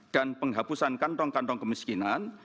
dan penghabusan kantong kantong kemiskinan